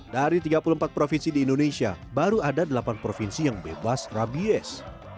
dari tiga puluh empat provinsi di indonesia baru ada delapan provinsi yang bebas rabies